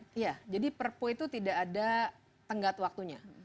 iya jadi perpu itu tidak ada tenggat waktunya